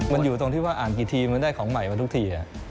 มันอยู่ตรงที่ว่าอ่านกี่ทีมันได้ของใหม่มาทุกที